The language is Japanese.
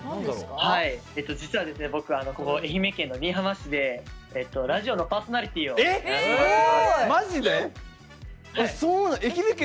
実は、僕、愛媛県新居浜市でラジオのパーソナリティーをやっています。